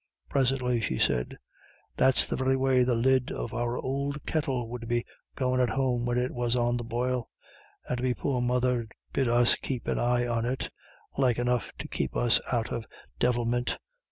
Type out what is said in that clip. Presently she said: "That's the very way the lid of our ould kettle would be goin' at home when it was on the boil, and me poor mother 'ud bid us keep an eye on it like enough to keep us out of divilmint.